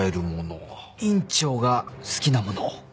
院長が好きなもの。